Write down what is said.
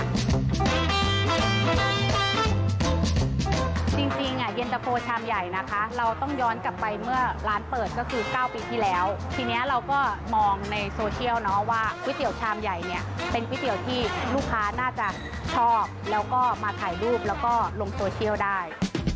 จริงเย็นตะโฟชามใหญ่นะคะเราต้องย้อนกลับไปเมื่อร้านเปิดก็คือ๙ปีที่แล้วทีนี้เราก็มองในโซเชียลเนาะว่าก๋วยเตี๋ยวชามใหญ่เนี่ยเป็นก๋วยเตี๋ยวที่ลูกค้าน่าจะชอบแล้วก็มาถ่ายรูปแล้วก็ลงโซเชียลได้